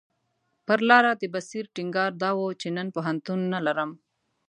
پر لاره د بصیر ټینګار دا و چې نن پوهنتون نه لرم.